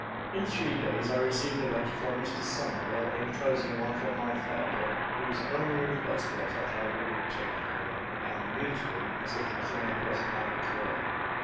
In three days, I received a letter from Mr Somerville, inclosing one from my father, whose only request was, that I would return home, and meet him as if nothing unpleasant had occurred.